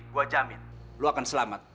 gue jamin lo akan selamat